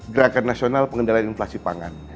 gerakan nasional pengendalian inflasi pangan